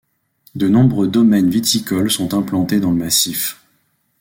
De nombreux domaines viticoles sont implantés dans le massif.